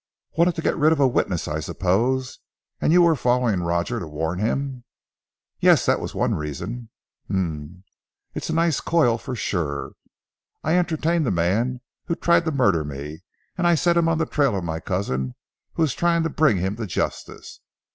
"Wanted to get rid of a witness, I suppose. And you were following Roger to warn him." "Yes! That was one reason." "Um! It's a nice coil, for sure. I entertain the man who tried to murder me, and I set him on the trail of my cousin who was trying to bring him to justice.